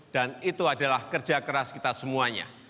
dan itu adalah kerja keras kita semuanya